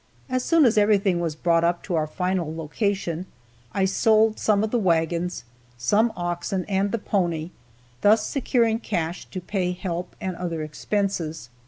As soon as everything was brought up to our final location, I sold some of the wagons, some oxen and the pony, thus securing cash to pay help and other expenses.